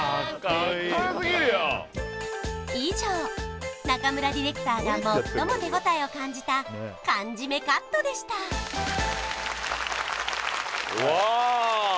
かっこいい以上中村ディレクターが最も手応えを感じた「完」締めカットでしたわあ！